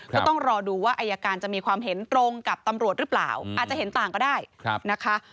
ก็ต้องรอดูว่าอายการจะมีความเห็นตรงกับตำรวจหรือเปล่าอาจจะเห็นต่างก็ได้นะคะ